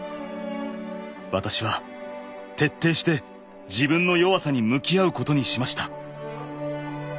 私は徹底して自分の弱さに向き合うことにしました。